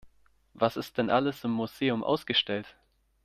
Was ist denn alles im Museum ausgestellt?